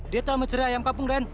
dia telah mencerai ayam kapung dan